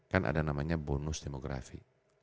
kan ada namanya bonus demografi